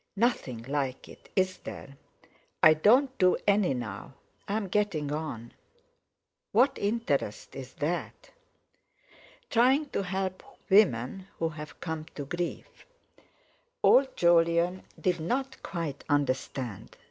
"Nothing like it, is there? I don't do any now. I'm getting on. What interest is that?" "Trying to help women who've come to grief." Old Jolyon did not quite understand.